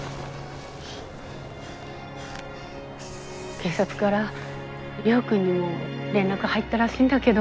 警察から亮君にも連絡入ったらしいんだけど。